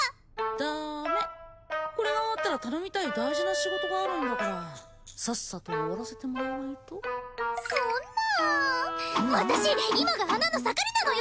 ダーメこれが終わったら頼みたい大事な仕事があるんだからさっさと終わらせてもらわないとそんな私今が花の盛りなのよ！